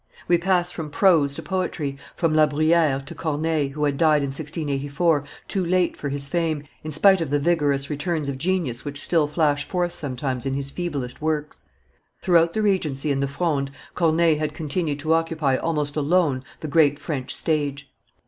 We pass from prose to poetry, from La Bruyere to Corneille, who had died in 1684, too late for his fame, in spite of the vigorous returns of genius which still flash forth sometimes in his feeblest works. Throughout the Regency and the Fronde, Corneille had continued to occupy almost alone the great French stage.